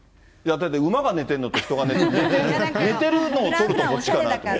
だって、馬が寝てるのと、人が寝てるのって、寝てるのを取るとこっちかなと。